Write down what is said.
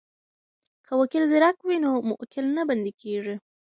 که وکیل زیرک وي نو موکل نه بندی کیږي.